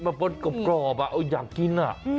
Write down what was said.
หมดกรอบอยากกิน